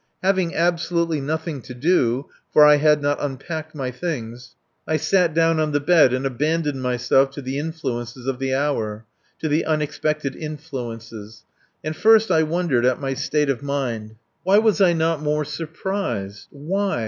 Having absolutely nothing to do (for I had not unpacked my things), I sat down on the bed and abandoned myself to the influences of the hour. To the unexpected influences. ... And first I wondered at my state of mind. Why was I not more surprised? Why?